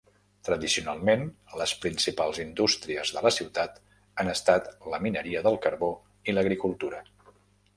Tradicionalment, les principals indústries de la ciutat han estat la mineria del carbó i l'agricultura.